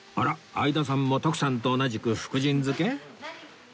相田さんも徳さんと同じく福神漬け？